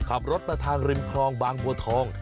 ขับรถมาทางริมคลองบางบัวทอง